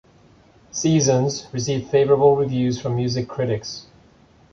"Seasons" received favourable reviews from music critics.